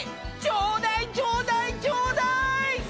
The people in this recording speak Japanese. ちょうだいちょうだいちょうだい！